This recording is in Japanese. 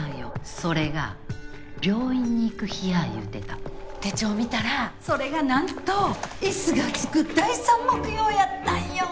それが病院に行く日や言うてた手帳を見たらそれが何とＳがつく第３木曜やったんよ